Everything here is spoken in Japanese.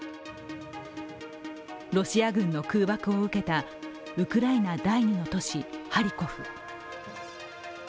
ロシア軍の空爆を受けたウクライナ第二の都市、ハリコフ。